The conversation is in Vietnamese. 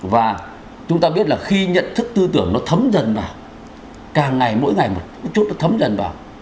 và chúng ta biết là khi nhận thức tư tưởng nó thấm dần vào càng ngày mỗi ngày một chút nó thấm dần vào